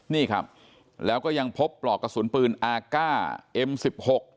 นี่ครับแล้วก็ยังพบปลอกกระสุนปืนอาก้าเอ็มสิบหก